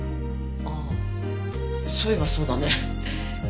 ああそういえばそうだね。